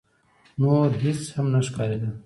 نور هيڅ هم نه ښکارېدل.